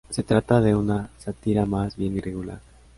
Se trata de una sátira más bien irregular.